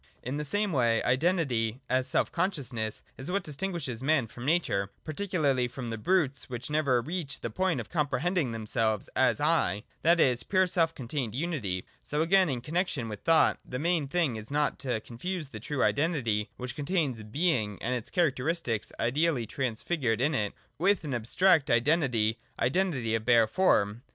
In the same way, Identity, as self consciousness, is what distinguishes man from nature, particularly from the brutes which never reach the point of comprehending themselves as ' I,' that is, pure self contained unity. So again, in connexion with thought, the main thing is not to confuse the true Identity, which contains Being and its characteristics ideally transfigured in it, with an abstract Identity, identity of bare form.